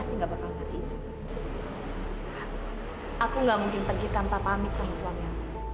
sampai jumpa di video selanjutnya